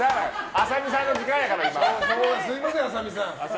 麻美さんの時間やから。